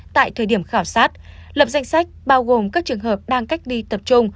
tại thời điểm khảo sát lập danh sách bao gồm các trường hợp đang cách ly tập trung